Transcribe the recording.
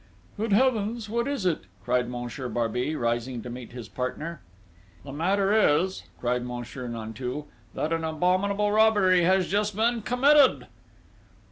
"Good Heavens! What is it?" cried Monsieur Barbey, rising to meet his partner.... "The matter is," cried Monsieur Nanteuil, "that an abominable robbery has just been committed...."